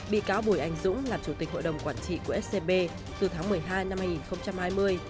bị cáo bùi anh dũng làm chủ tịch hội đồng quản trị của scb từ tháng một mươi hai năm hai nghìn hai mươi